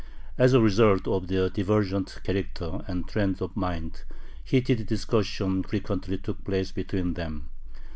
As a result of their divergent character and trend of mind, heated discussions frequently took place between them.